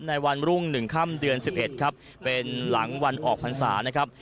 วันรุ่ง๑ค่ำเดือน๑๑ครับเป็นหลังวันออกพรรษานะครับ